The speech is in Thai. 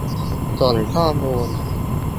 ส่งข้อมูล